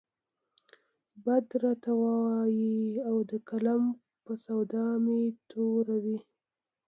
بد راته وايي او د قلم په سودا مې توره وي.